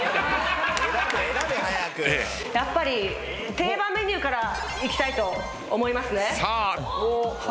やっぱり定番メニューからいきたいと思いますね。